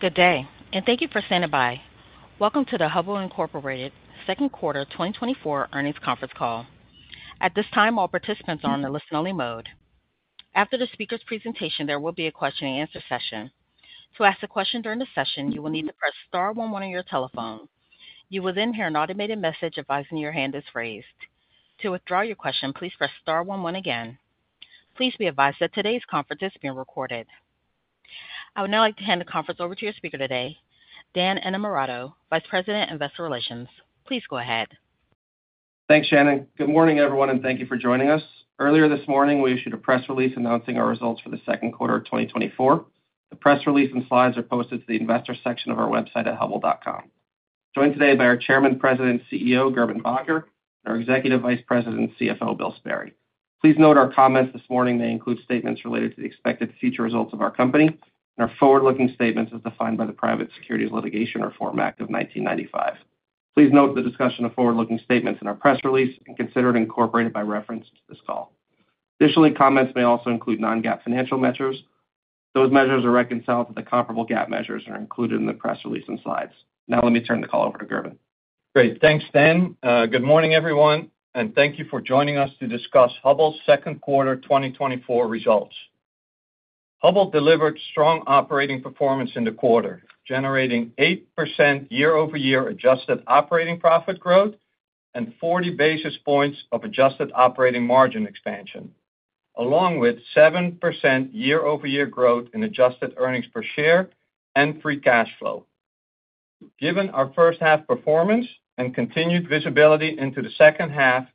Good day, and thank you for standing by. Welcome to the Hubbell Incorporated Second Quarter 2024 Earnings Conference Call. At this time, all participants are on a listen-only mode. After the speaker's presentation, there will be a question-and-answer session. To ask a question during the session, you will need to press star one one on your telephone. You will then hear an automated message advising your hand is raised. To withdraw your question, please press star one one again. Please be advised that today's conference is being recorded. I would now like to hand the conference over to your speaker today, Dan Innamorato, Vice President, Investor Relations. Please go ahead. Thanks, Shannon. Good morning, everyone, and thank you for joining us. Earlier this morning, we issued a press release announcing our results for the second quarter of 2024. The press release and slides are posted to the investor section of our website at hubbell.com. Joined today by our Chairman, President, and CEO, Gerben Bakker, and our Executive Vice President, CFO, Bill Sperry. Please note our comments this morning may include statements related to the expected future results of our company and our forward-looking statements as defined by the Private Securities Litigation Reform Act of 1995. Please note the discussion of forward-looking statements in our press release and consider it incorporated by reference to this call. Additionally, comments may also include non-GAAP financial measures. Those measures are reconciled to the comparable GAAP measures and are included in the press release and slides. Now, let me turn the call over to Gerben. Great. Thanks, Dan. Good morning, everyone, and thank you for joining us to discuss Hubbell's second quarter 2024 results. Hubbell delivered strong operating performance in the quarter, generating 8% year-over-year adjusted operating profit growth and 40 basis points of adjusted operating margin expansion, along with 7% year-over-year growth in adjusted earnings per share and free cash flow. Given our first-half performance and continued visibility into the second half,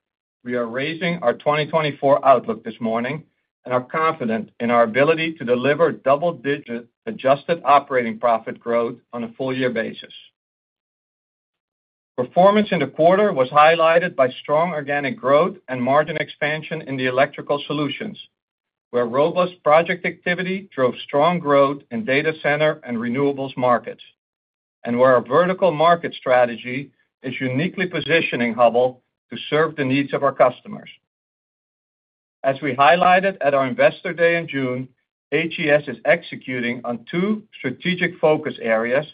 we are raising our 2024 outlook this morning and are confident in our ability to deliver double-digit adjusted operating profit growth on a full-year basis. Performance in the quarter was highlighted by strong organic growth and margin expansion in the Electrical Solutions, where robust project activity drove strong growth in data center and renewables markets, and where our vertical market strategy is uniquely positioning Hubbell to serve the needs of our customers. As we highlighted at our Investor Day in June, HES is executing on two strategic focus areas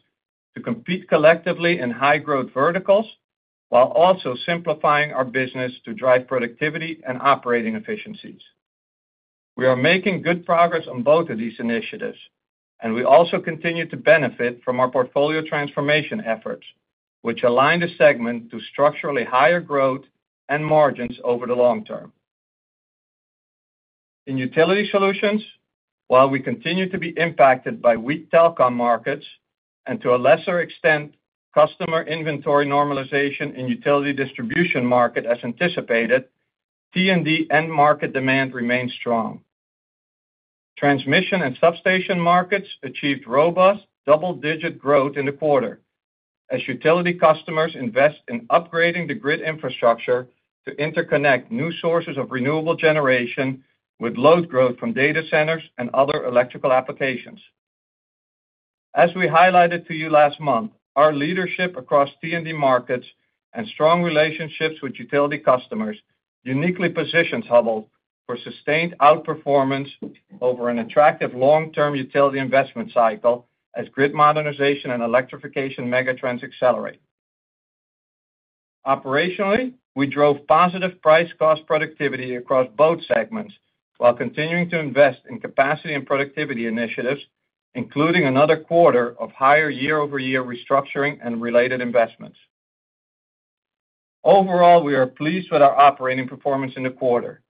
to compete collectively in high-growth verticals while also simplifying our business to drive productivity and operating efficiencies. We are making good progress on both of these initiatives, and we also continue to benefit from our portfolio transformation efforts, which align the segment to structurally higher growth and margins over the long term. In Utility Solutions, while we continue to be impacted by weak telecom markets and, to a lesser extent, customer inventory normalization in the utility distribution market as anticipated, T&D and market demand remain strong. Transmission and substation markets achieved robust double-digit growth in the quarter as utility customers invest in upgrading the Grid Infrastructure to interconnect new sources of renewable generation with load growth from data centers and other electrical applications. As we highlighted to you last month, our leadership across T&D markets and strong relationships with utility customers uniquely positions Hubbell for sustained outperformance over an attractive long-term utility investment cycle as grid modernization and electrification megatrends accelerate. Operationally, we drove positive price-cost productivity across both segments while continuing to invest in capacity and productivity initiatives, including another quarter of higher year-over-year restructuring and related investments. Overall, we are pleased with our operating performance in the quarter.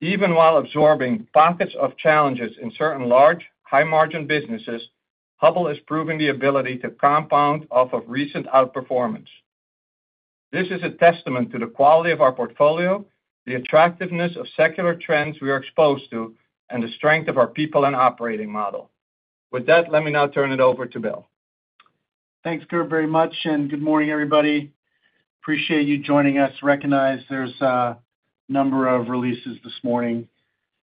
Even while absorbing pockets of challenges in certain large, high-margin businesses, Hubbell is proving the ability to compound off of recent outperformance. This is a testament to the quality of our portfolio, the attractiveness of secular trends we are exposed to, and the strength of our people and operating model. With that, let me now turn it over to Bill. Thanks, Gerben, very much, and good morning, everybody. Appreciate you joining us. Recognize there's a number of releases this morning.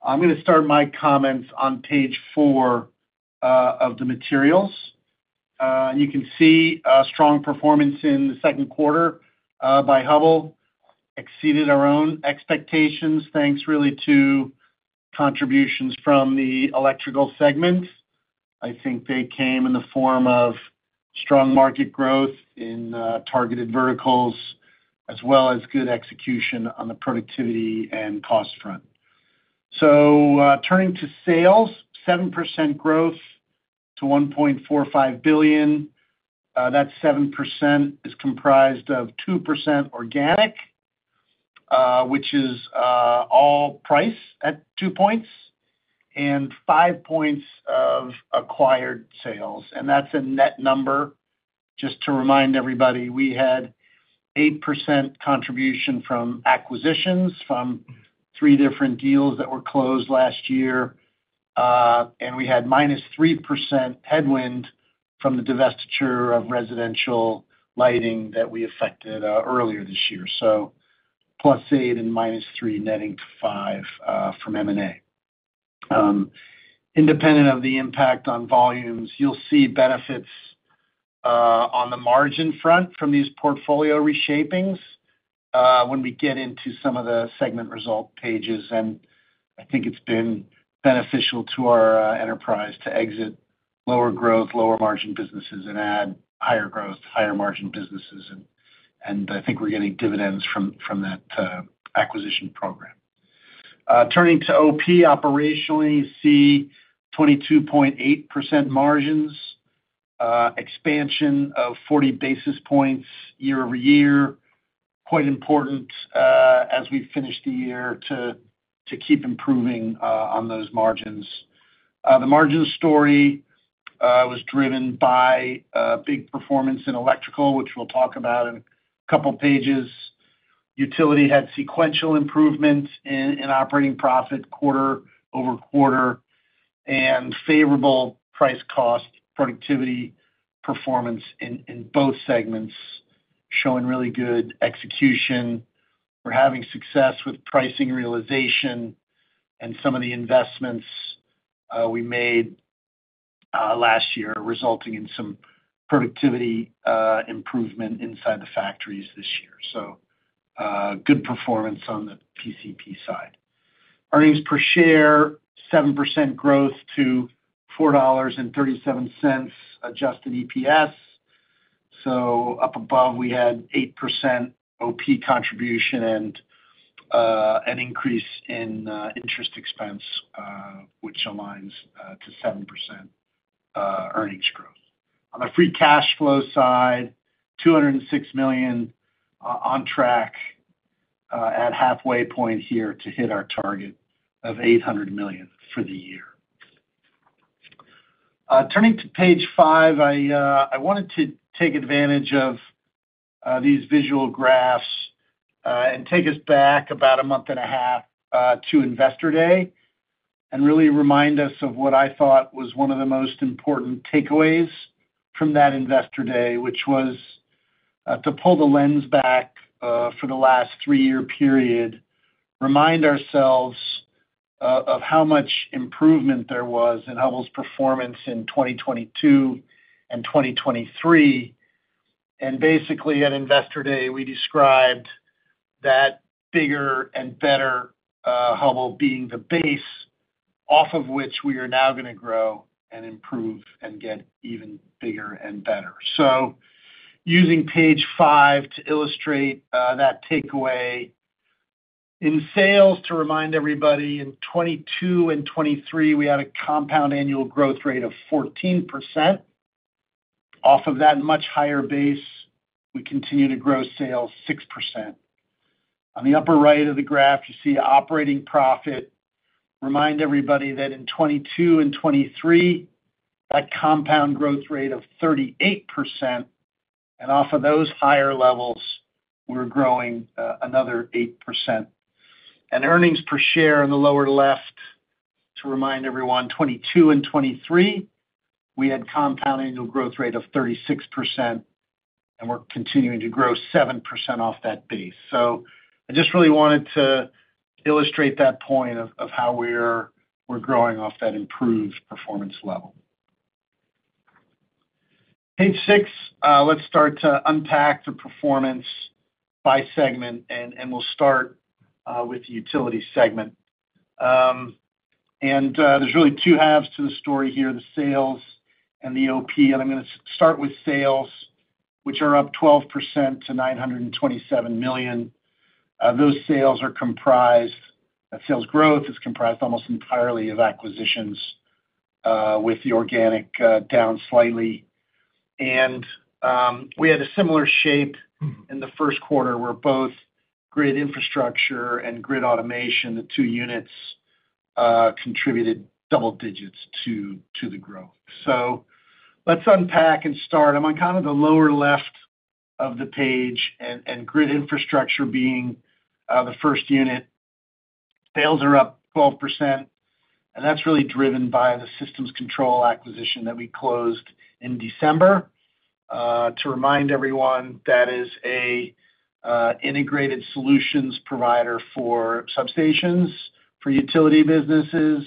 I'm going to start my comments on page 4 of the materials. You can see strong performance in the second quarter by Hubbell exceeded our own expectations, thanks really to contributions from the electrical segment. I think they came in the form of strong market growth in targeted verticals as well as good execution on the productivity and cost front. So turning to sales, 7% growth to $1.45 billion. That 7% is comprised of 2% organic, which is all price at 2 points, and 5 points of acquired sales. And that's a net number. Just to remind everybody, we had 8% contribution from acquisitions from three different deals that were closed last year, and we had -3% headwind from the divestiture of residential lighting that we effected earlier this year. So +8 and -3 netting to 5 from M&A. Independent of the impact on volumes, you'll see benefits on the margin front from these portfolio reshapings when we get into some of the segment result pages. I think it's been beneficial to our enterprise to exit lower growth, lower margin businesses, and add higher growth, higher margin businesses. And I think we're getting dividends from that acquisition program. Turning to OP, operationally, you see 22.8% margins, expansion of 40 basis points year-over-year, quite important as we finish the year to keep improving on those margins. The margin story was driven by big performance in electrical, which we'll talk about in a couple of pages. Utility had sequential improvements in operating profit quarter-over-quarter and favorable price-cost productivity performance in both segments, showing really good execution. We're having success with pricing realization and some of the investments we made last year, resulting in some productivity improvement inside the factories this year. So good performance on the PCP side. Earnings per share, 7% growth to $4.37 adjusted EPS. So up above, we had 8% OP contribution and an increase in interest expense, which aligns to 7% earnings growth. On the free cash flow side, $206 million on track at halfway point here to hit our target of $800 million for the year. Turning to page 5, I wanted to take advantage of these visual graphs and take us back about a month and a half to Investor Day and really remind us of what I thought was one of the most important takeaways from that Investor Day, which was to pull the lens back for the last three-year period, remind ourselves of how much improvement there was in Hubbell's performance in 2022 and 2023. Basically, at Investor Day, we described that bigger and better Hubbell being the base off of which we are now going to grow and improve and get even bigger and better. Using page 5 to illustrate that takeaway. In sales, to remind everybody, in 2022 and 2023, we had a compound annual growth rate of 14%. Off of that much higher base, we continue to grow sales 6%. On the upper right of the graph, you see operating profit. Remind everybody that in 2022 and 2023, that compound growth rate of 38%, and off of those higher levels, we're growing another 8%. Earnings per share on the lower left, to remind everyone, 2022 and 2023, we had a compound annual growth rate of 36%, and we're continuing to grow 7% off that base. So I just really wanted to illustrate that point of how we're growing off that improved performance level. Page 6, let's start to unpack the performance by segment, and we'll start with the utility segment. There's really two halves to the story here, the sales and the OP. I'm going to start with sales, which are up 12% to $927 million. Those sales are comprised of sales growth, is comprised almost entirely of acquisitions with the organic down slightly. We had a similar shape in the first quarter where both grid infrastructure and Grid Automation, the two units, contributed double digits to the growth. So let's unpack and start. I'm on kind of the lower left of the page, and grid infrastructure being the first unit. Sales are up 12%, and that's really driven by the Systems Control acquisition that we closed in December. To remind everyone, that is an integrated solutions provider for substations, for utility businesses.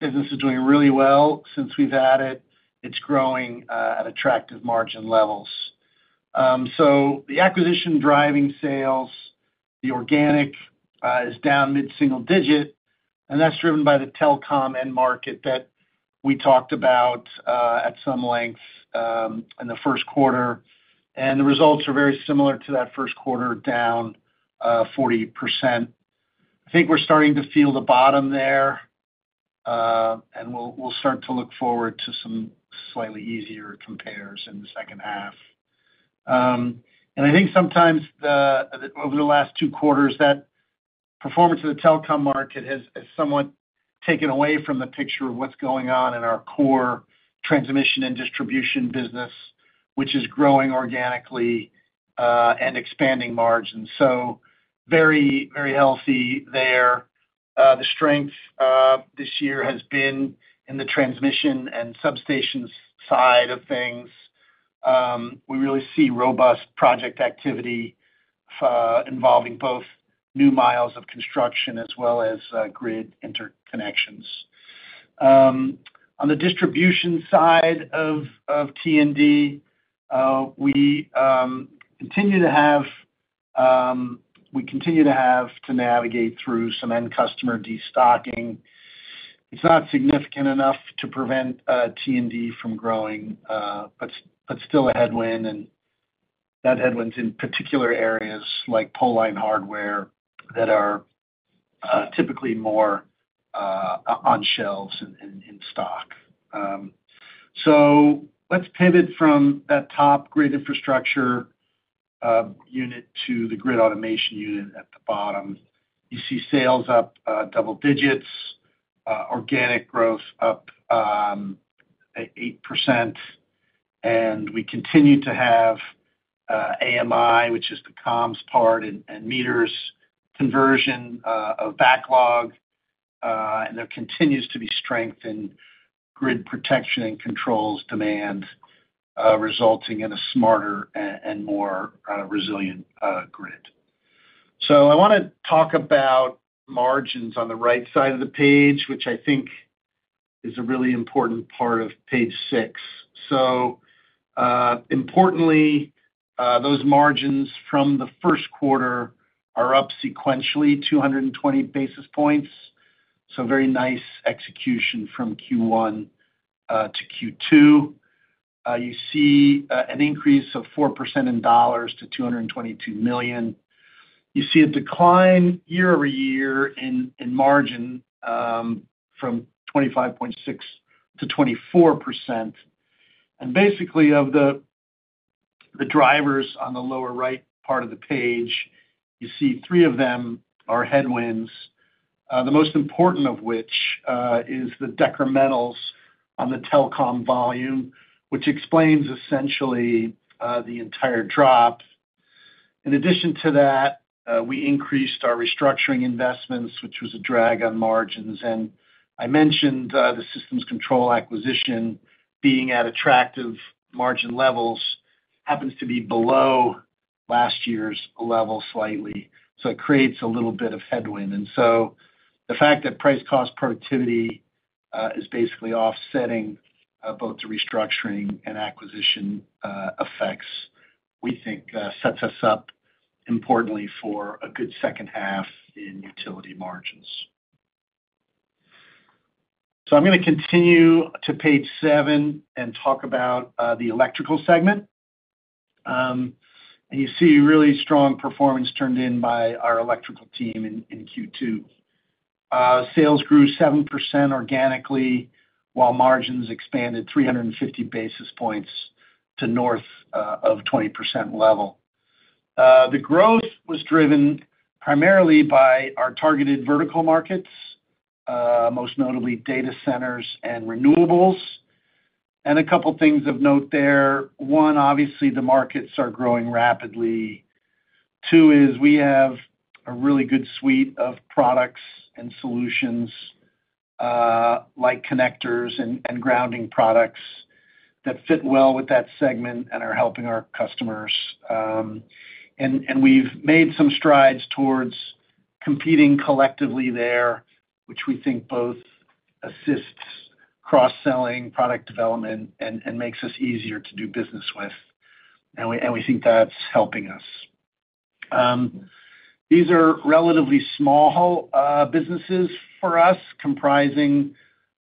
Business is doing really well since we've had it. It's growing at attractive margin levels. So the acquisition driving sales, the organic is down mid-single digit, and that's driven by the telecom end market that we talked about at some length in the first quarter. And the results are very similar to that first quarter, down 40%. I think we're starting to feel the bottom there, and we'll start to look forward to some slightly easier compares in the second half. I think sometimes over the last two quarters, that performance of the telecom market has somewhat taken away from the picture of what's going on in our core transmission and distribution business, which is growing organically and expanding margins. Very, very healthy there. The strength this year has been in the transmission and substations side of things. We really see robust project activity involving both new miles of construction as well as grid interconnections. On the distribution side of T&D, we continue to have to navigate through some end customer destocking. It's not significant enough to prevent T&D from growing, but still a headwind. That headwind's in particular areas like pole line hardware that are typically more on shelves and in stock. So let's pivot from that top grid infrastructure unit to the Grid Automation unit at the bottom. You see sales up double digits, organic growth up 8%. We continue to have AMI, which is the comms part and meters conversion of backlog. There continues to be strength in grid protection and controls demand, resulting in a smarter and more resilient grid. So I want to talk about margins on the right side of the page, which I think is a really important part of page six. So importantly, those margins from the first quarter are up sequentially 220 basis points. So very nice execution from Q1 to Q2. You see an increase of 4% in dollars to $222 million. You see a decline year-over-year in margin from 25.6% to 24%. And basically, of the drivers on the lower right part of the page, you see three of them are headwinds, the most important of which is the decrementals on the telecom volume, which explains essentially the entire drop. In addition to that, we increased our restructuring investments, which was a drag on margins. And I mentioned the Systems Control acquisition being at attractive margin levels happens to be below last year's level slightly. So it creates a little bit of headwind. And so the fact that price-cost productivity is basically offsetting both the restructuring and acquisition effects, we think sets us up importantly for a good second half in utility margins. So I'm going to continue to page seven and talk about the electrical segment. And you see really strong performance turned in by our electrical team in Q2. Sales grew 7% organically while margins expanded 350 basis points to north of 20% level. The growth was driven primarily by our targeted vertical markets, most notably data centers and renewables. And a couple of things of note there. One, obviously, the markets are growing rapidly. Two is we have a really good suite of products and solutions like connectors and grounding products that fit well with that segment and are helping our customers. And we've made some strides towards competing collectively there, which we think both assists cross-selling product development and makes us easier to do business with. And we think that's helping us. These are relatively small businesses for us, comprising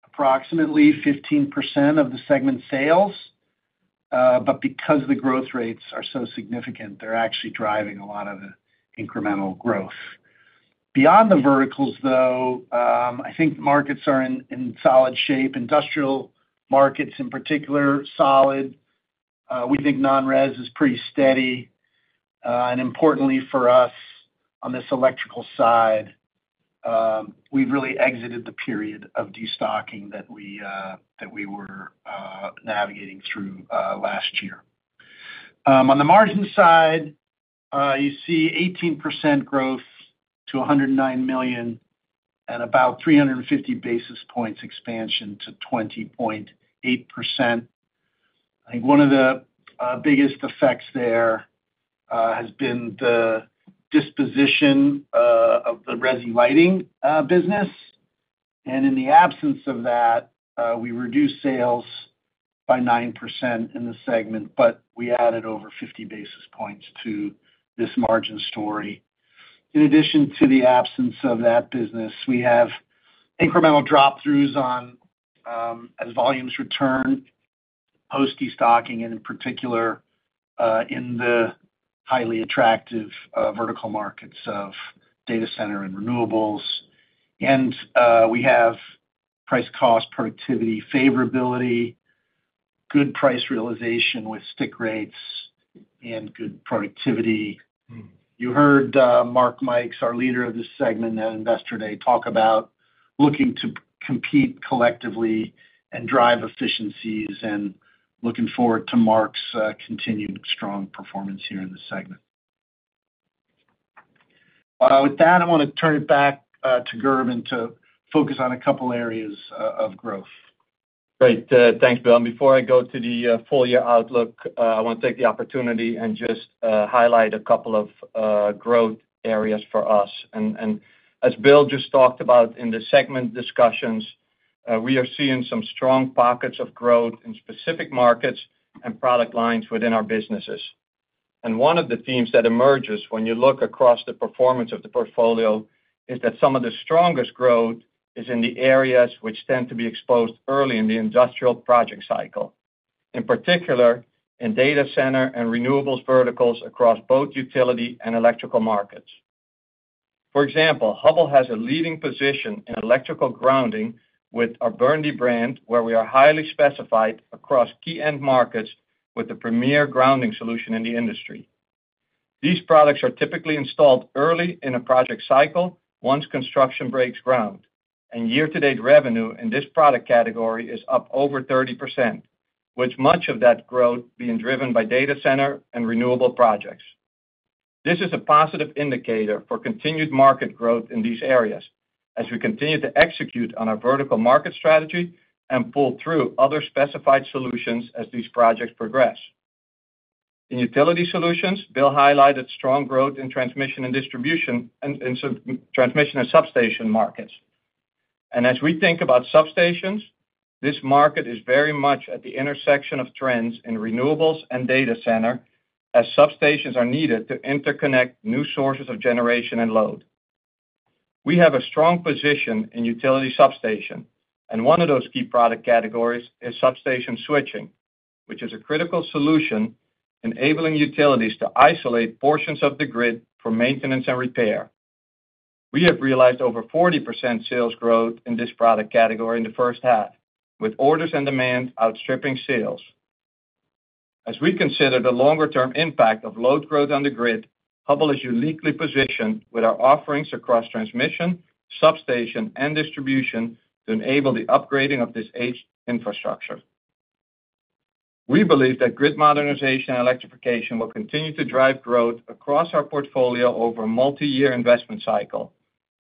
approximately 15% of the segment sales. But because the growth rates are so significant, they're actually driving a lot of incremental growth. Beyond the verticals, though, I think markets are in solid shape. Industrial markets in particular, solid. We think non-res is pretty steady. Importantly for us on this electrical side, we've really exited the period of destocking that we were navigating through last year. On the margin side, you see 18% growth to $109 million and about 350 basis points expansion to 20.8%. I think one of the biggest effects there has been the disposition of the resin lighting business. In the absence of that, we reduced sales by 9% in the segment, but we added over 50 basis points to this margin story. In addition to the absence of that business, we have incremental drop-throughs as volumes return, post-destocking, and in particular, in the highly attractive vertical markets of data center and renewables. We have price-cost productivity favorability, good price realization with stick rates and good productivity. You heard Mark Mikes, our leader of this segment at Investor Day, talk about looking to compete collectively and drive efficiencies and looking forward to Mark's continued strong performance here in the segment. With that, I want to turn it back to Gerben to focus on a couple of areas of growth. Great. Thanks, Bill. And before I go to the full year outlook, I want to take the opportunity and just highlight a couple of growth areas for us. And as Bill just talked about in the segment discussions, we are seeing some strong pockets of growth in specific markets and product lines within our businesses. One of the themes that emerges when you look across the performance of the portfolio is that some of the strongest growth is in the areas which tend to be exposed early in the industrial project cycle, in particular in data center and renewables verticals across both utility and electrical markets. For example, Hubbell has a leading position in electrical grounding with our Burndy brand, where we are highly specified across key end markets with the premier grounding solution in the industry. These products are typically installed early in a project cycle once construction breaks ground. Year-to-date revenue in this product category is up over 30%, with much of that growth being driven by data center and renewable projects. This is a positive indicator for continued market growth in these areas as we continue to execute on our vertical market strategy and pull through other specified solutions as these projects progress. In utility solutions, Bill highlighted strong growth in transmission and distribution and transmission and substation markets. And as we think about substations, this market is very much at the intersection of trends in renewables and data center as substations are needed to interconnect new sources of generation and load. We have a strong position in utility substation, and one of those key product categories is substation switching, which is a critical solution enabling utilities to isolate portions of the grid for maintenance and repair. We have realized over 40% sales growth in this product category in the first half, with orders and demand outstripping sales. As we consider the longer-term impact of load growth on the grid, Hubbell is uniquely positioned with our offerings across transmission, substation, and distribution to enable the upgrading of this age infrastructure. We believe that grid modernization and electrification will continue to drive growth across our portfolio over a multi-year investment cycle.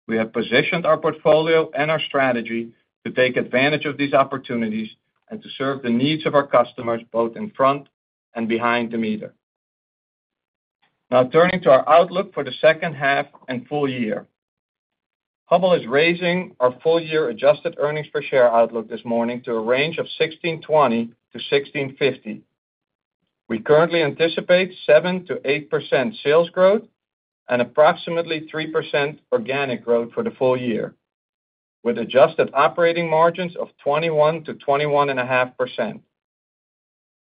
We have positioned our portfolio and our strategy to take advantage of these opportunities and to serve the needs of our customers both in front and behind the meter. Now, turning to our outlook for the second half and full year, Hubbell is raising our full-year adjusted earnings per share outlook this morning to a range of $16.20-$16.50. We currently anticipate 7%-8% sales growth and approximately 3% organic growth for the full year, with adjusted operating margins of 21%-21.5%.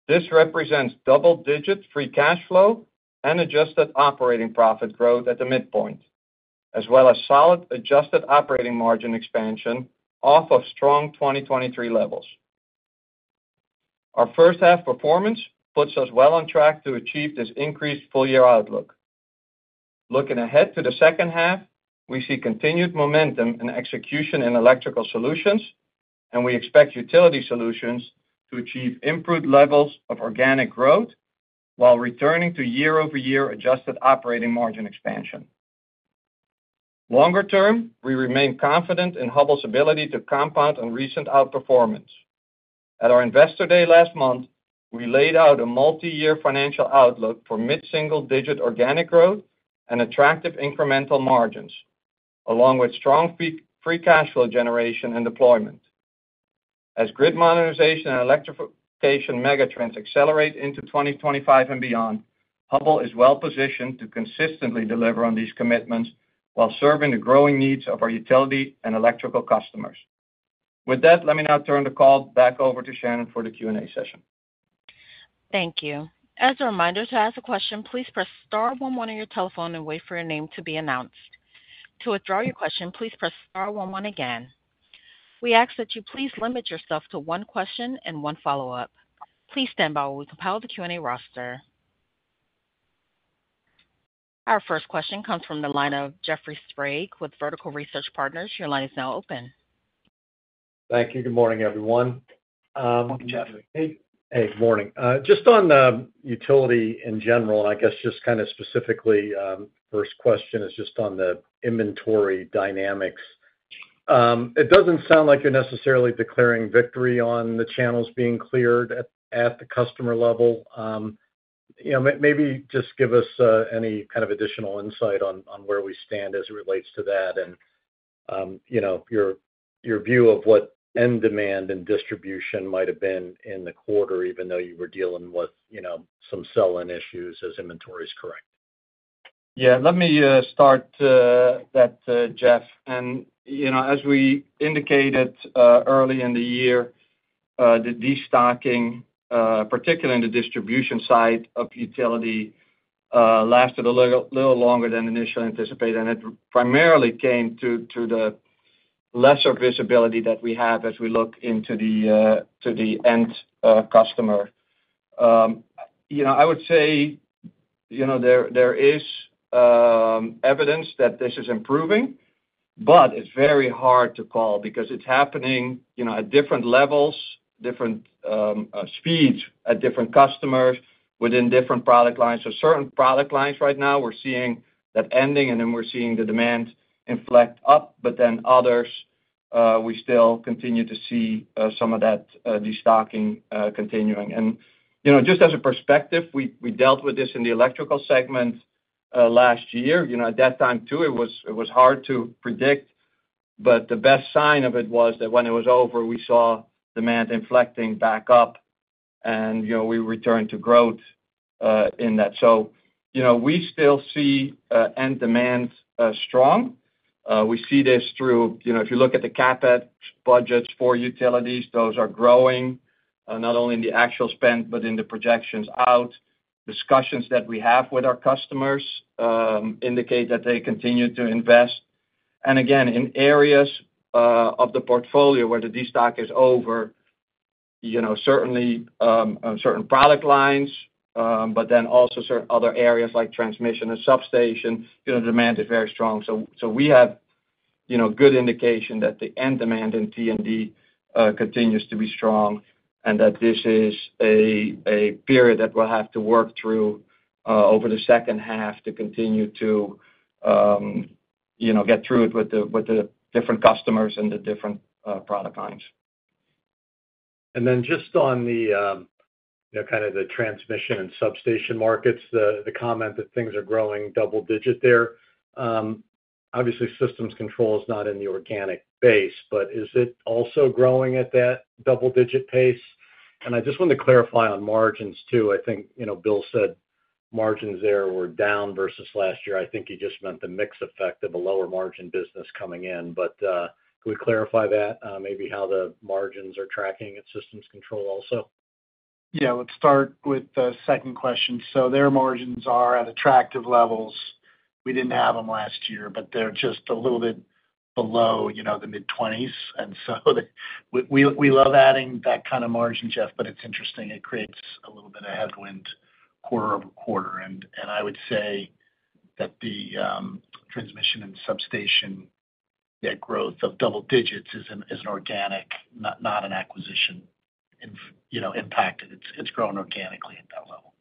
This represents double-digit free cash flow and adjusted operating profit growth at the midpoint, as well as solid adjusted operating margin expansion off of strong 2023 levels. Our first-half performance puts us well on track to achieve this increased full-year outlook. Looking ahead to the second half, we see continued momentum and execution in electrical solutions, and we expect utility solutions to achieve improved levels of organic growth while returning to year-over-year adjusted operating margin expansion. Longer term, we remain confident in Hubbell's ability to compound on recent outperformance. At our Investor Day last month, we laid out a multi-year financial outlook for mid-single-digit organic growth and attractive incremental margins, along with strong free cash flow generation and deployment. As grid modernization and electrification megatrends accelerate into 2025 and beyond, Hubbell is well positioned to consistently deliver on these commitments while serving the growing needs of our utility and electrical customers. With that, let me now turn the call back over to Shannon for the Q&A session. Thank you. As a reminder, to ask a question, please press star one one on your telephone and wait for your name to be announced. To withdraw your question, please press star one one again. We ask that you please limit yourself to one question and one follow-up. Please stand by while we compile the Q&A roster. Our first question comes from the line of Jeffrey Sprague with Vertical Research Partners. Your line is now open. Thank you. Good morning, everyone. Good morning, Jeffrey. Hey. Hey. Good morning. Just on utility in general, and I guess just kind of specifically, first question is just on the inventory dynamics. It doesn't sound like you're necessarily declaring victory on the channels being cleared at the customer level. Maybe just give us any kind of additional insight on where we stand as it relates to that and your view of what end demand and distribution might have been in the quarter, even though you were dealing with some sell-in issues as inventory is correcting. Yeah. Let me start that, Jeff. And as we indicated early in the year, the destocking, particularly in the distribution side of utility, lasted a little longer than initially anticipated. And it primarily came to the lesser visibility that we have as we look into the end customer. I would say there is evidence that this is improving, but it's very hard to call because it's happening at different levels, different speeds at different customers within different product lines. So certain product lines right now, we're seeing that ending, and then we're seeing the demand inflect up, but then others, we still continue to see some of that destocking continuing. And just as a perspective, we dealt with this in the electrical segment last year. At that time, too, it was hard to predict, but the best sign of it was that when it was over, we saw demand inflecting back up, and we returned to growth in that. So we still see end demand strong. We see this through, if you look at the CapEx budgets for utilities, those are growing not only in the actual spend but in the projections out. Discussions that we have with our customers indicate that they continue to invest. And again, in areas of the portfolio where the destocking is over, certainly certain product lines, but then also certain other areas like transmission and substation, demand is very strong. So we have good indication that the end demand in T&D continues to be strong and that this is a period that we'll have to work through over the second half to continue to get through it with the different customers and the different product lines. And then just on kind of the transmission and substation markets, the comment that things are growing double-digit there. Obviously, Systems Control is not in the organic base, but is it also growing at that double-digit pace? And I just wanted to clarify on margins, too. I think Bill said margins there were down versus last year. I think he just meant the mix effect of a lower margin business coming in. But can we clarify that, maybe how the margins are tracking at Systems Control also? Yeah. Let's start with the second question. So their margins are at attractive levels. We didn't have them last year, but they're just a little bit below the mid-20s%. And so we love adding that kind of margin, Jeff, but it's interesting. It creates a little bit of headwind quarter-over-quarter. And I would say that the transmission and substation growth of double digits is an organic, not an acquisition impact. It's growing organically at that level.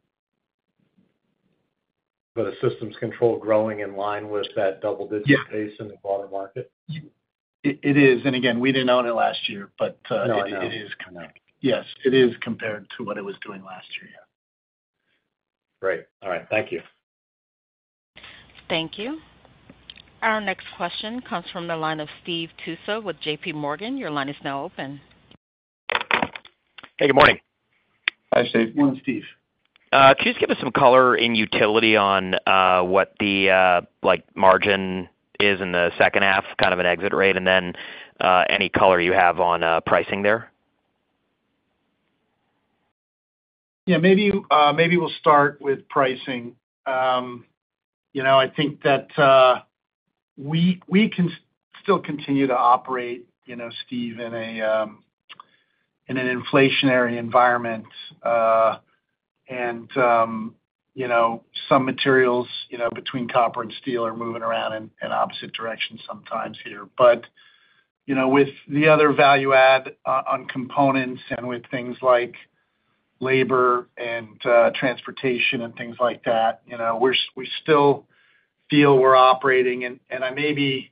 But is Systems Control growing in line with that double-digit pace in the broader market? It is. And again, we didn't own it last year, but it is compared. Yes. It is compared to what it was doing last year. Yeah. Great. All right. Thank you. Thank you. Our next question comes from the line of Steve Tuso with J.P. Morgan. Your line is now open. Hey. Good morning. Hi, Steve. Morning, Steve. Could you just give us some color in utility on what the margin is in the second half, kind of an exit rate, and then any color you have on pricing there? Yeah. Maybe we'll start with pricing. I think that we can still continue to operate, Steve, in an inflationary environment. And some materials between copper and steel are moving around in opposite directions sometimes here. But with the other value-add on components and with things like labor and transportation and things like that, we still feel we're operating. And I may be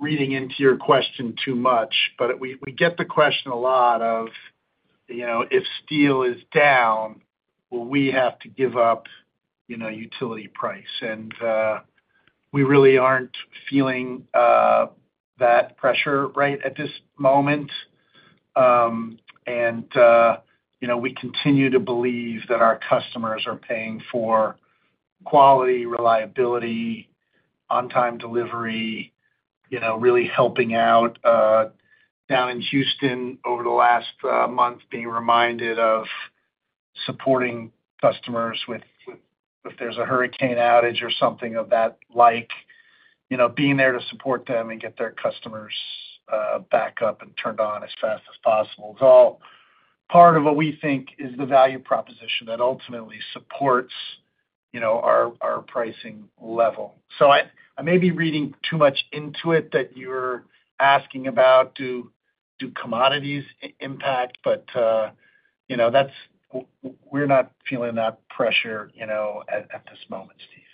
reading into your question too much, but we get the question a lot of, "If steel is down, will we have to give up utility price?" And we really aren't feeling that pressure right at this moment. And we continue to believe that our customers are paying for quality, reliability, on-time delivery, really helping out down in Houston over the last month, being reminded of supporting customers if there's a hurricane outage or something of that like, being there to support them and get their customers back up and turned on as fast as possible. It's all part of what we think is the value proposition that ultimately supports our pricing level. So I may be reading too much into it that you're asking about, "Do commodities impact?" But we're not feeling that pressure at this moment, Steve.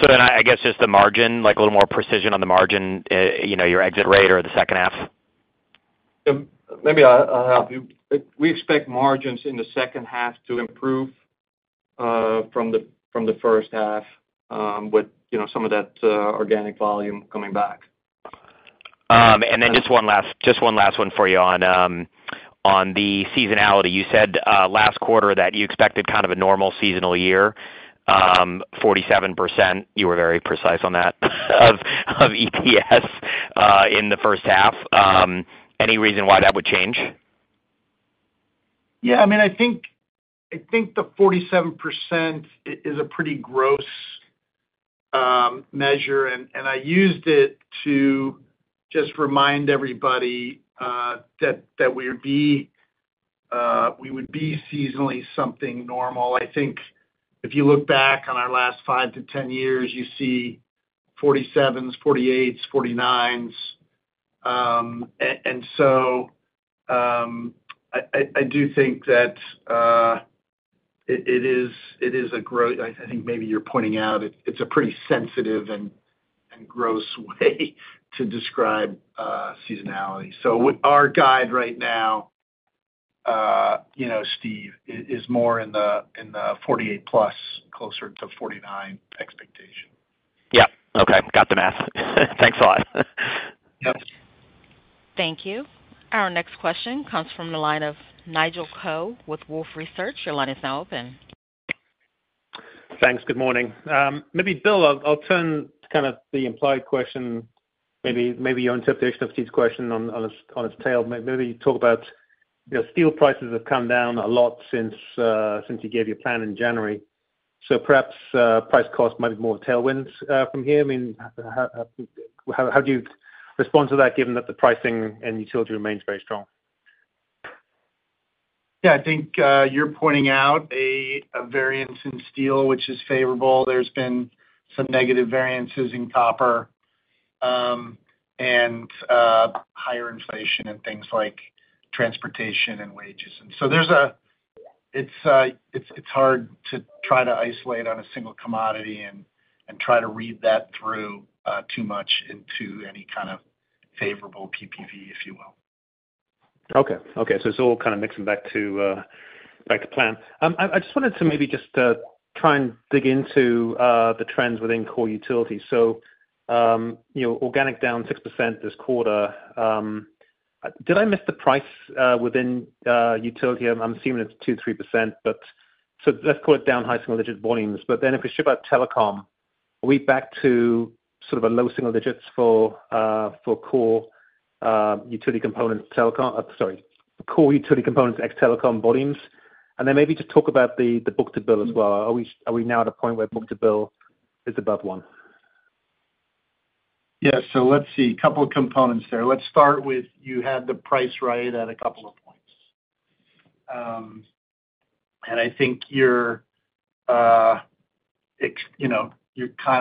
So then I guess just the margin, a little more precision on the margin, your exit rate or the second half? Maybe I'll help you. We expect margins in the second half to improve from the first half with some of that organic volume coming back. And then just one last one for you on the seasonality. You said last quarter that you expected kind of a normal seasonal year, 47%. You were very precise on that. Of EPS in the first half. Any reason why that would change? Yeah. I mean, I think the 47% is a pretty gross measure. And I used it to just remind everybody that we would be seasonally something normal. I think if you look back on our last 5-10 years, you see 47s, 48s, 49s. And so I do think that it is a growth. I think maybe you're pointing out it's a pretty sensitive and gross way to describe seasonality. So our guide right now, Steve, is more in the 48-plus, closer to 49 expectation. Yeah. Okay. Got the math. Thanks a lot. Yep. Thank you. Our next question comes from the line of Nigel Coe with Wolfe Research. Your line is now open. Thanks. Good morning. Maybe, Bill, I'll turn to kind of the implied question, maybe your interpretation of Steve's question on its tail. Maybe talk about steel prices have come down a lot since you gave your plan in January. So perhaps price cost might be more tailwinds from here. I mean, how do you respond to that given that the pricing and utility remains very strong? Yeah. I think you're pointing out a variance in steel, which is favorable. There's been some negative variances in copper and higher inflation and things like transportation and wages. And so it's hard to try to isolate on a single commodity and try to read that through too much into any kind of favorable PPV, if you will. Okay. Okay. So we'll kind of mix them back to plan. I just wanted to maybe just try and dig into the trends within core utility. So organic down 6% this quarter. Did I miss the price within utility? I'm assuming it's 2%-3%, but so let's call it down high single-digit volumes. But then if we ship out telecom, are we back to sort of low single digits for core utility components telecom sorry, core utility components ex telecom volumes? And then maybe just talk about the book-to-bill as well. Are we now at a point where book-to-bill is above one? Yeah. So let's see. A couple of components there. Let's start with you had the price right at a couple of points. And I think you're kind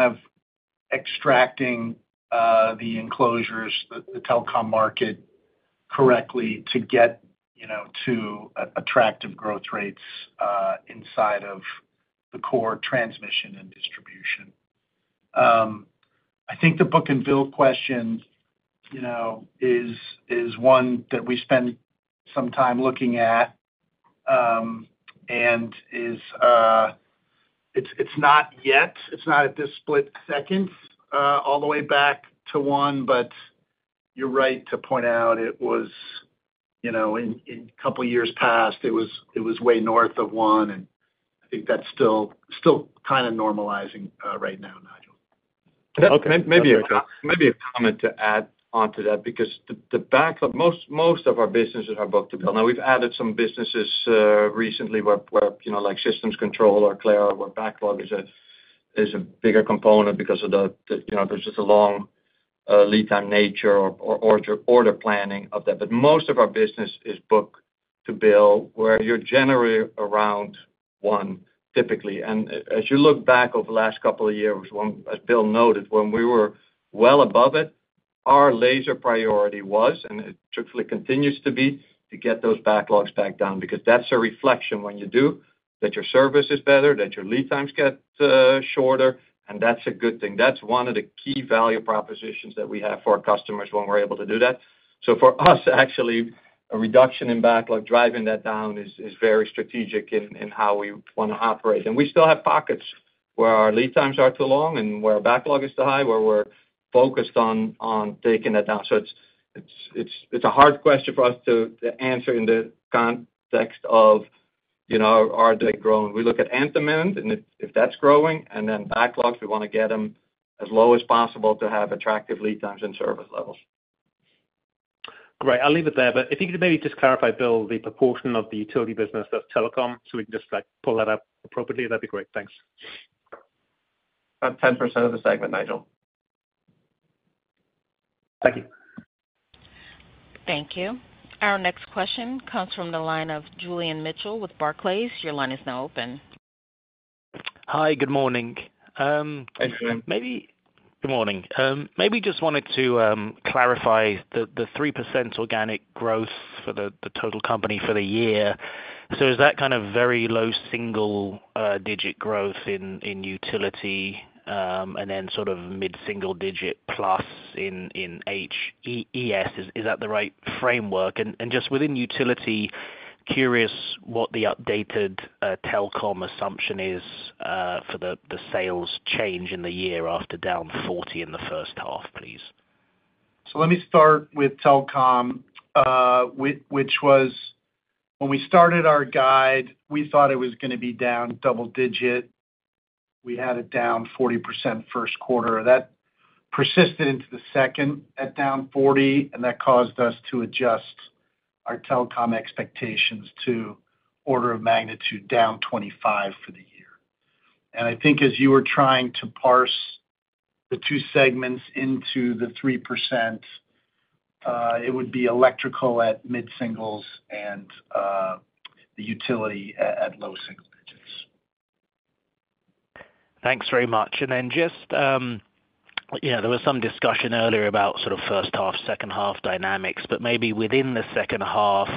of extracting the enclosures, the telecom market, correctly to get to attractive growth rates inside of the core transmission and distribution. I think the book-to-bill question is one that we spend some time looking at, and it's not yet. It's not at this split second all the way back to one, but you're right to point out it was in a couple of years past, it was way north of one. And I think that's still kind of normalizing right now, Nigel. Okay. Maybe a comment to add onto that because most of our businesses are book-to-bill. Now, we've added some businesses recently where Systems Control or Aclara where backlog is a bigger component because of the there's just a long lead time nature or order planning of that. But most of our business is book-to-bill where you're generally around one, typically. And as you look back over the last couple of years, as Bill noted, when we were well above it, our laser priority was, and it truthfully continues to be, to get those backlogs back down because that's a reflection when you do that your service is better, that your lead times get shorter, and that's a good thing. That's one of the key value propositions that we have for our customers when we're able to do that. So for us, actually, a reduction in backlog driving that down is very strategic in how we want to operate. We still have pockets where our lead times are too long and where our backlog is too high, where we're focused on taking that down. It's a hard question for us to answer in the context of, are they growing? We look at end demand and if that's growing, and then backlogs, we want to get them as low as possible to have attractive lead times and service levels. Great. I'll leave it there. But if you could maybe just clarify, Bill, the proportion of the utility business that's telecom, so we can just pull that up appropriately, that'd be great. Thanks. About 10% of the segment, Nigel. Thank you. Thank you. Our next question comes from the line of Julian Mitchell with Barclays. Your line is now open. Hi. Good morning. Hi, Julian. Good morning. Maybe just wanted to clarify the 3% organic growth for the total company for the year. So is that kind of very low single-digit growth in utility and then sort of mid-single-digit plus in ES? Is that the right framework? And just within utility, curious what the updated telecom assumption is for the sales change in the year after down 40% in the first half, please. So let me start with telecom, which was when we started our guide, we thought it was going to be down double-digit. We had it down 40% first quarter. That persisted into the second at down 40%, and that caused us to adjust our telecom expectations to order of magnitude down 25% for the year. And I think as you were trying to parse the two segments into the 3%, it would be electrical at mid-singles and the utility at low single digits. Thanks very much. And then just there was some discussion earlier about sort of first half, second half dynamics, but maybe within the second half,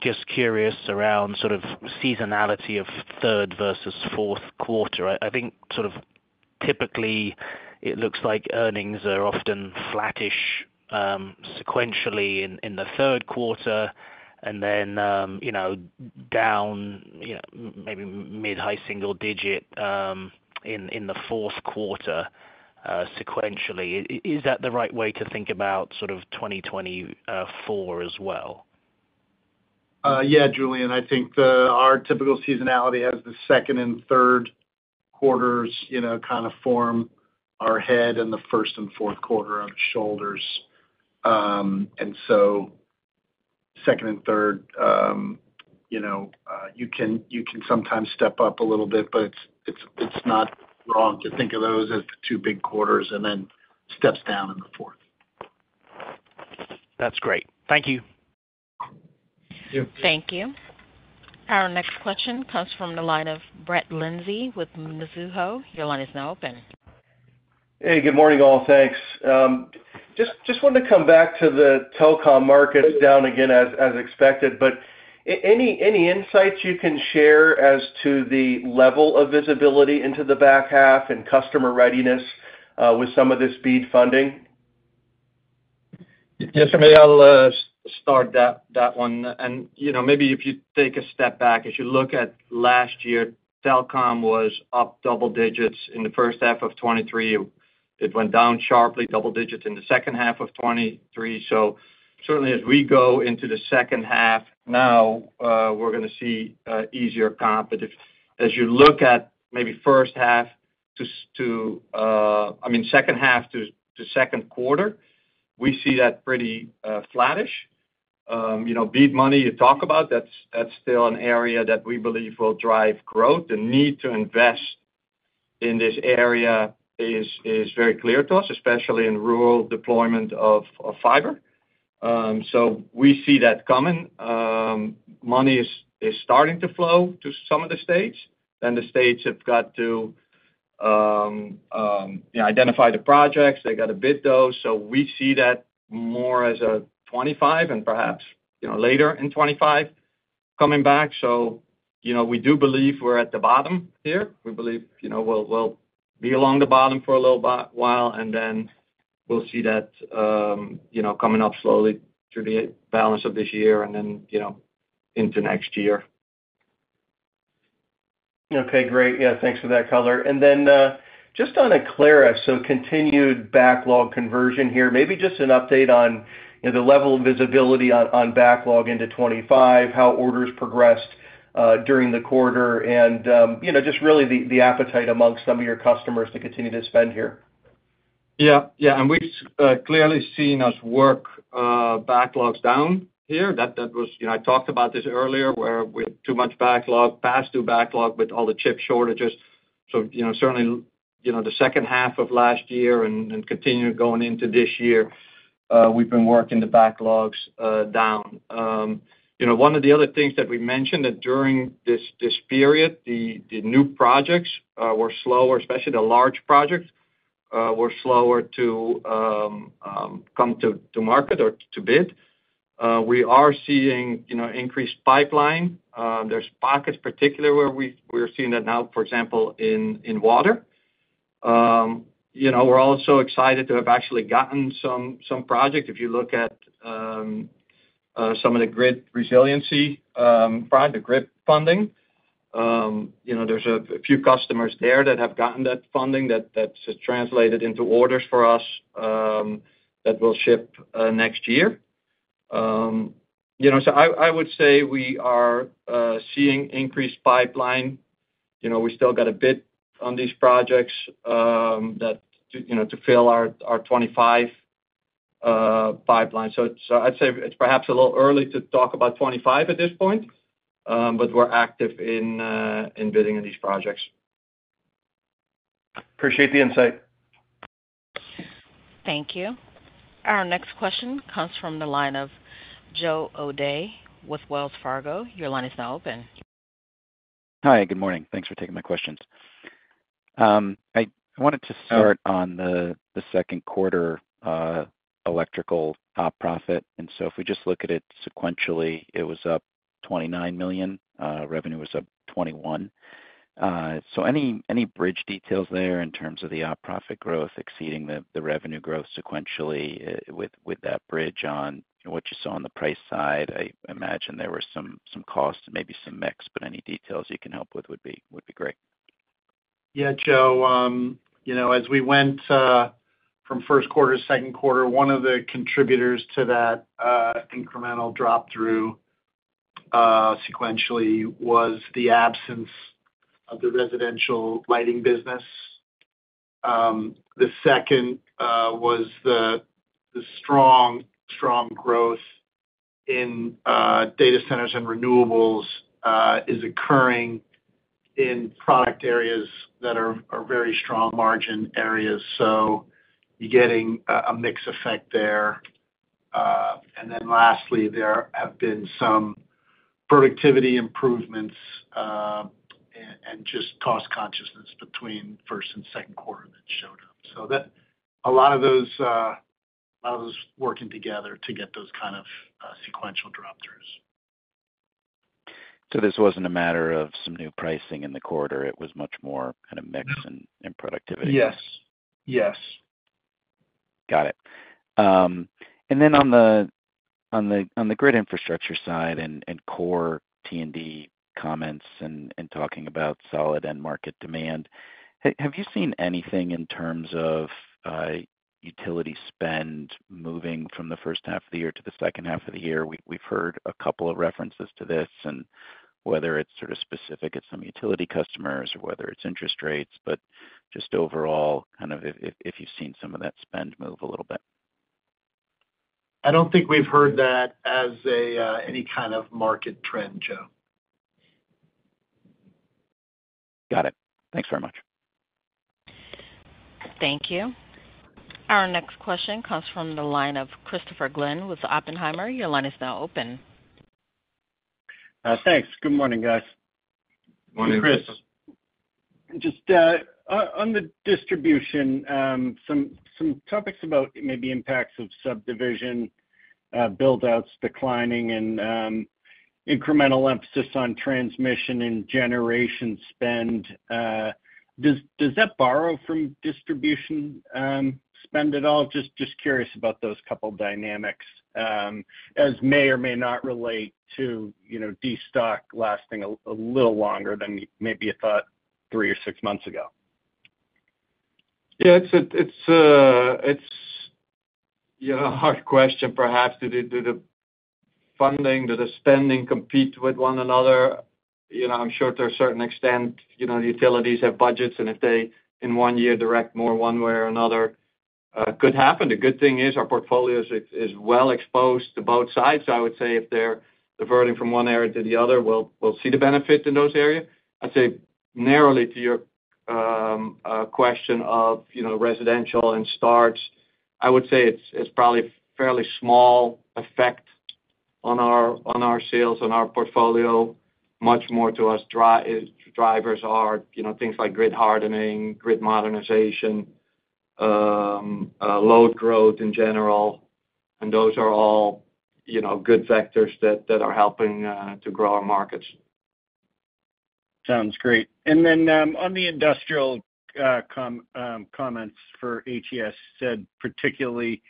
just curious around sort of seasonality of third versus fourth quarter. I think sort of typically it looks like earnings are often flattish sequentially in the third quarter and then down maybe mid-high single digit in the fourth quarter sequentially. Is that the right way to think about sort of 2024 as well? Yeah, Julian. I think our typical seasonality as the second and third quarters kind of form our head and the first and fourth quarter of shoulders. And so second and third, you can sometimes step up a little bit, but it's not wrong to think of those as the two big quarters and then steps down in the fourth. That's great. Thank you. Thank you. Our next question comes from the line of Brett Linzey with Mizuho. Your line is now open. Hey. Good morning, all. Thanks. Just wanted to come back to the telecom market is down again as expected, but any insights you can share as to the level of visibility into the back half and customer readiness with some of this BEAD funding? Yes, sir. Maybe I'll start that one. Maybe if you take a step back, as you look at last year, telecom was up double digits in the first half of 2023. It went down sharply double digits in the second half of 2023. So certainly as we go into the second half now, we're going to see easier comp. But as you look at maybe first half to, I mean, second half to second quarter, we see that pretty flattish. BEAD money you talk about, that's still an area that we believe will drive growth. The need to invest in this area is very clear to us, especially in rural deployment of fiber. So we see that coming. Money is starting to flow to some of the states. Then the states have got to identify the projects. They got to bid those. So we see that more as a 2025 and perhaps later in 2025 coming back. So we do believe we're at the bottom here. We believe we'll be along the bottom for a little while, and then we'll see that coming up slowly through the balance of this year and then into next year. Okay. Great. Yeah. Thanks for that color. And then just on Aclara, so continued backlog conversion here, maybe just an update on the level of visibility on backlog into 2025, how orders progressed during the quarter, and just really the appetite amongst some of your customers to continue to spend here. Yeah. Yeah. And we've clearly seen us work backlogs down here. I talked about this earlier where we had too much backlog, past due backlog with all the chip shortages. So certainly the second half of last year and continued going into this year, we've been working the backlogs down. One of the other things that we mentioned that during this period, the new projects were slower, especially the large projects were slower to come to market or to bid. We are seeing increased pipeline. There's pockets particularly where we're seeing that now, for example, in water. We're also excited to have actually gotten some projects. If you look at some of the grid resiliency fund, the grid funding, there's a few customers there that have gotten that funding that's translated into orders for us that will ship next year. So I would say we are seeing increased pipeline. We still got a bit on these projects to fill our 2025 pipeline. So I'd say it's perhaps a little early to talk about 2025 at this point, but we're active in bidding on these projects. Appreciate the insight. Thank you. Our next question comes from the line of Joe O'Dea with Wells Fargo. Your line is now open. Hi. Good morning. Thanks for taking my questions. I wanted to start on the second quarter electrical profit. And so if we just look at it sequentially, it was up $29 million. Revenue was up $21 million. So any bridge details there in terms of the profit growth exceeding the revenue growth sequentially with that bridge on what you saw on the price side? I imagine there were some costs and maybe some mix, but any details you can help with would be great. Yeah. Joe, as we went from first quarter to second quarter, one of the contributors to that incremental drop through sequentially was the absence of the residential lighting business. The second was the strong, strong growth in data centers and renewables is occurring in product areas that are very strong margin areas. So you're getting a mixed effect there. And then lastly, there have been some productivity improvements and just cost consciousness between first and second quarter that showed up. So a lot of those working together to get those kind of sequential drop throughs. So this wasn't a matter of some new pricing in the quarter. It was much more kind of mix and productivity. Yes. Yes. Got it. And then on the grid infrastructure side and core T&D comments and talking about solid end market demand, have you seen anything in terms of utility spend moving from the first half of the year to the second half of the year? We've heard a couple of references to this and whether it's sort of specific at some utility customers or whether it's interest rates, but just overall kind of if you've seen some of that spend move a little bit. I don't think we've heard that as any kind of market trend, Joe. Got it. Thanks very much. Thank you. Our next question comes from the line of Christopher Glynn with Oppenheimer. Your line is now open. Thanks. Good morning, guys. Good morning, Chris. Just on the distribution, some topics about maybe impacts of subdivision build-outs declining and incremental emphasis on transmission and generation spend. Does that borrow from distribution spend at all? Just curious about those couple of dynamics as may or may not relate to destocking lasting a little longer than maybe you thought 3 or 6 months ago. Yeah. It's a hard question, perhaps. Did the funding, did the spending compete with one another? I'm sure to a certain extent, utilities have budgets, and if they in one year direct more one way or another, it could happen. The good thing is our portfolio is well exposed to both sides. So I would say if they're diverting from one area to the other, we'll see the benefit in those areas. I'd say, narrowly to your question of residential and starts, I would say it's probably a fairly small effect on our sales, on our portfolio. Much more to us, drivers are things like grid hardening, grid modernization, load growth in general. And those are all good factors that are helping to grow our markets. Sounds great. And then on the industrial comments for HES, said particularly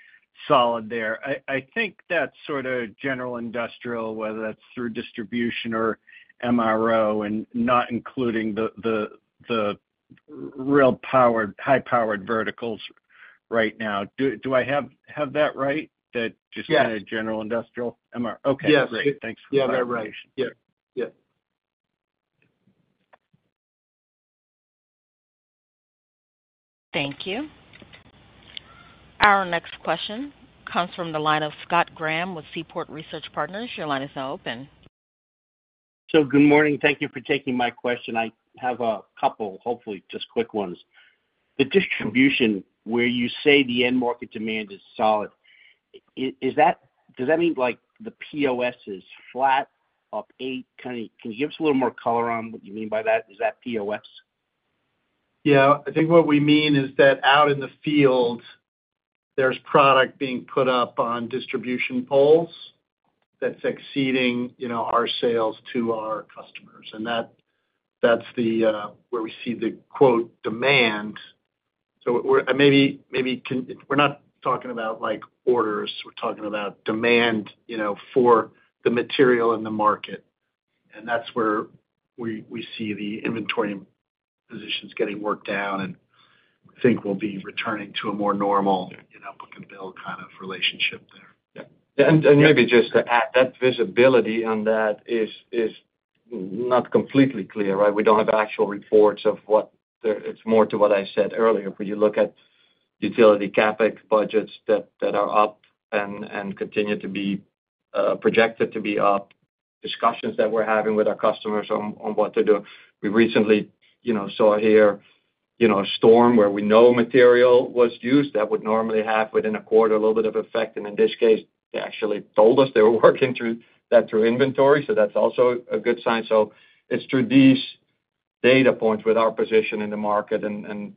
solid there. I think that's sort of general industrial, whether that's through distribution or MRO and not including the real high-powered verticals right now. Do I have that right? Just general industrial. Yes. Okay. Great. Thanks for clarification. Yeah. They're right. Yeah. Yeah. Thank you. Our next question comes from the line of Scott Graham with Seaport Research Partners. Your line is now open. So good morning. Thank you for taking my question. I have a couple, hopefully just quick ones. The distribution where you say the end market demand is solid, does that mean the POS is flat up 8? Can you give us a little more color on what you mean by that? Is that POS? Yeah. I think what we mean is that out in the field, there's product being put up on distribution poles that's exceeding our sales to our customers. And that's where we see the quote demand. So maybe we're not talking about orders. We're talking about demand for the material in the market. And that's where we see the inventory positions getting worked down and I think we'll be returning to a more normal book-to-bill kind of relationship there. And maybe just to add, that visibility on that is not completely clear, right? We don't have actual reports of what it's more to what I said earlier. When you look at utility CapEx budgets that are up and continue to be projected to be up. Discussions that we're having with our customers on what to do. We recently saw here a storm where we know material was used that would normally have within a quarter a little bit of effect. And in this case, they actually told us they were working through that through inventory. So that's also a good sign. So it's through these data points with our position in the market and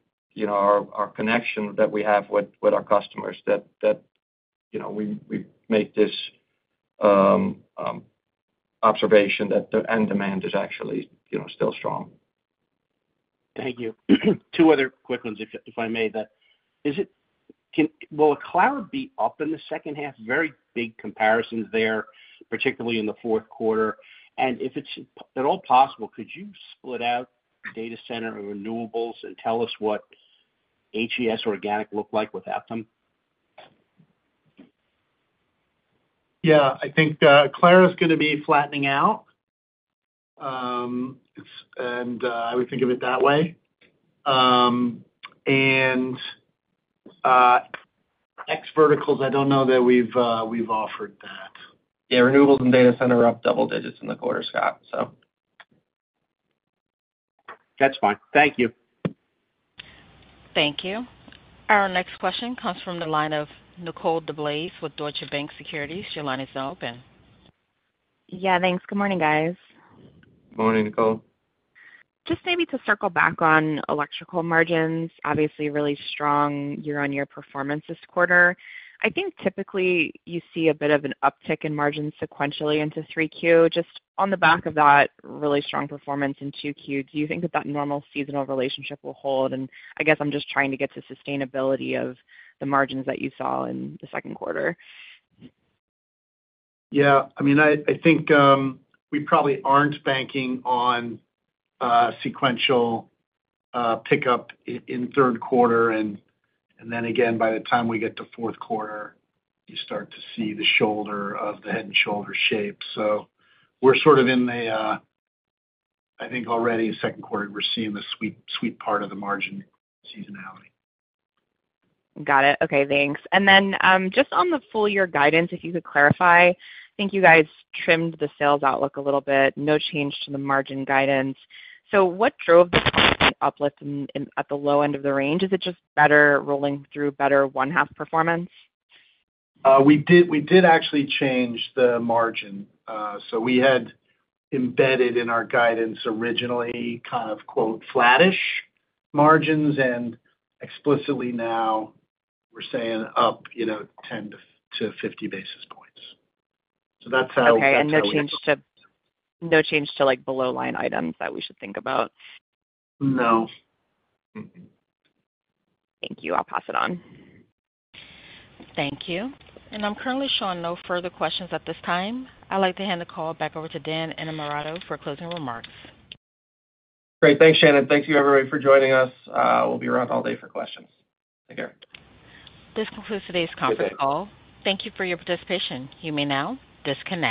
our connection that we have with our customers that we make this observation that the end demand is actually still strong. Thank you. Two other quick ones, if I may. Will Aclara be up in the second half? Very big comparisons there, particularly in the fourth quarter. And if it's at all possible, could you split out data center and renewables and tell us what HES organic looked like without them? Yeah. I think Aclara is going to be flattening out, and I would think of it that way. And ex verticals, I don't know that we've offered that. Yeah. Renewables and data center are up double digits in the quarter, Scott, so. That's fine. Thank you. Thank you. Our next question comes from the line of Nicole DeBlaze with Deutsche Bank Securities. Your line is now open. Yeah. Thanks. Good morning, guys. Good morning, Nicole. Just maybe to circle back on electrical margins, obviously really strong year-on-year performance this quarter. I think typically you see a bit of an uptick in margins sequentially into 3Q. Just on the back of that really strong performance in 2Q, do you think that that normal seasonal relationship will hold? And I guess I'm just trying to get to sustainability of the margins that you saw in the second quarter. Yeah. I mean, I think we probably aren't banking on sequential pickup in third quarter. And then again, by the time we get to fourth quarter, you start to see the shoulder of the head and shoulder shape. So we're sort of in the, I think, already second quarter, we're seeing the sweet part of the margin seasonality. Got it. Okay. Thanks. And then just on the full year guidance, if you could clarify, I think you guys trimmed the sales outlook a little bit. No change to the margin guidance. So what drove the uplift at the low end of the range? Is it just better rolling through better one-half performance? We did actually change the margin. So we had embedded in our guidance originally kind of quote flattish margins, and explicitly now we're saying up 10-50 basis points. So that's how we're going to. Okay. And no change to below line items that we should think about? No. Thank you. I'll pass it on. Thank you. And I'm currently showing no further questions at this time. I'd like to hand the call back over to Dan Innamorato for closing remarks. Great. Thanks, Shannon. Thank you, everybody, for joining us. We'll be around all day for questions. Take care. This concludes today's conference call. Thank you for your participation. You may now disconnect.